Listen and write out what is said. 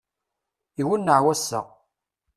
Iwenneɛ wass-a!